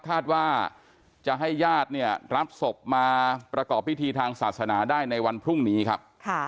คาดว่าจะให้ญาติเนี่ยรับศพมาประกอบพิธีทางศาสนาได้ในวันพรุ่งนี้ครับ